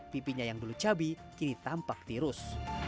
pipinya yang dulu cabi kini tampak tirus